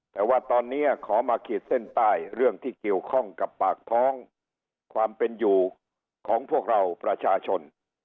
แต่ว่าตอนนี้ขอมาขีดเส้นใต้เรื่องที่เกี่ยวข้องกับปากท้องความเป็นอยู่ของพวกเราประชาชน